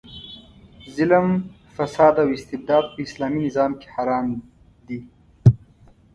ظلم، فساد او استبداد په اسلامي نظام کې حرام دي.